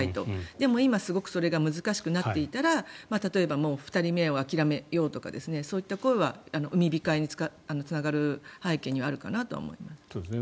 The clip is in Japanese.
でもそれが難しくなっていたら例えば２人目を諦めようとかそういった声は産み控えにつながる背景にはあるかもしれませんね。